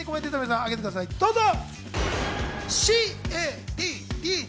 どうぞ。